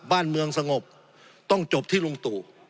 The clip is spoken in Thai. บ้านเมืองสงบต้องจบที่ลุงตู่